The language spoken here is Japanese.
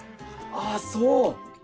ああそう。